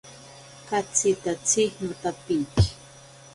Katsitatsi notapiki.